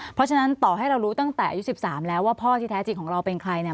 เพราะฉะนั้นต่อให้เรารู้ตั้งแต่อายุ๑๓แล้วว่าพ่อที่แท้จริงของเราเป็นใครเนี่ย